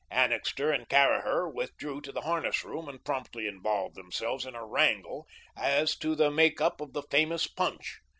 Annixter and Caraher withdrew to the harness room and promptly involved themselves in a wrangle as to the make up of the famous punch.